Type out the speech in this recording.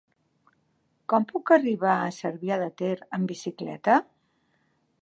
Com puc arribar a Cervià de Ter amb bicicleta?